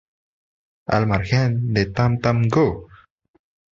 Al margen de "Tam Tam Go!